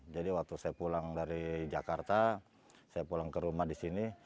jadi waktu saya pulang dari jakarta saya pulang ke rumah di sini